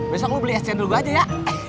besok lu beli es jendol gue aja ya